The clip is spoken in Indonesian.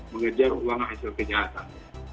mengejar uang hasil kejahatan